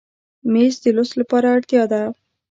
مېز د لوست لپاره اړتیا ده.